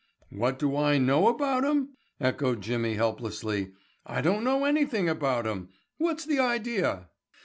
"What do I know about 'em?" echoed Jimmy helplessly. "I don't know anything about 'em. What's the idea?"